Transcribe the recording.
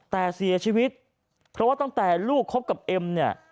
แต่เสียชีวิตเพราะว่าตั้งแต่ลูกคบกับเอ็มเนี่ย